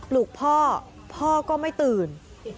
ลูกพ่อพ่อก็ไม่ตื่น